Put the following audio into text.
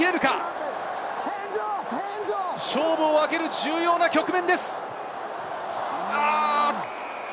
勝負を分ける重要な局面です。